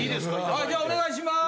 はいじゃあお願いします。